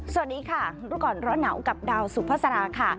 สวัสดีรุ้นก่อนร้อนหนาวกับดาวสุภาษา